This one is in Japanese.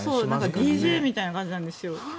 ＤＪみたいな感じなんですよ。